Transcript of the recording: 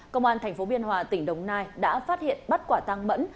công an thành phố biên hòa tỉnh đồng nai đã phát hiện bắt quả tăng mẫn